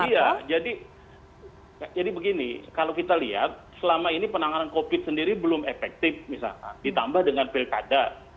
iya jadi begini kalau kita lihat selama ini penanganan covid sendiri belum efektif misalkan ditambah dengan pilkada